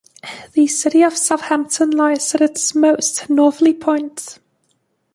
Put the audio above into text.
The city of Southampton lies at its most northerly point.